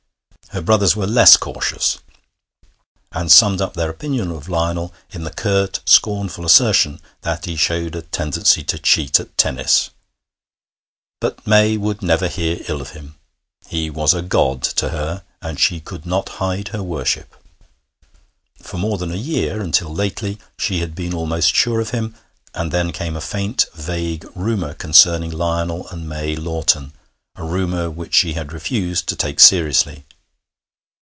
Her brothers were less cautious, and summed up their opinion of Lionel in the curt, scornful assertion that he showed a tendency to cheat at tennis. But May would never hear ill of him; he was a god to her, and she could not hide her worship. For more than a year, until lately, she had been almost sure of him, and then came a faint vague rumour concerning Lionel and May Lawton, a rumour which she had refused to take seriously.